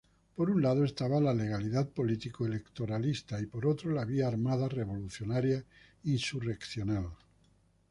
Por un lado, estaba la legalidad político-electoralista y, por otro, la vía armada revolucionaria-insurreccional.